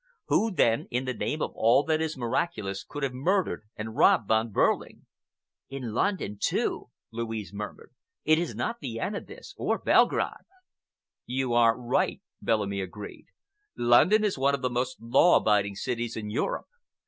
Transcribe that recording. Who, then, in the name of all that is miraculous, can have murdered and robbed Von Behrling?" "In London, too," Louise murmured. "It is not Vienna, this, or Belgrade." "You are right," Bellamy agreed. "London is one of the most law abiding cities in Europe.